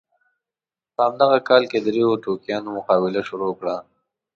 په همدغه کال کې دریو ټوکیانو مقابله شروع کړه.